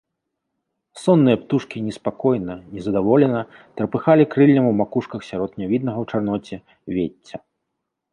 Сонныя птушкі неспакойна, нездаволена трапыхалі крыллем у макушках сярод нявіднага ў чарноце вецця.